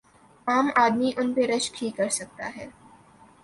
عام آدمی ان پہ رشک ہی کر سکتا ہے۔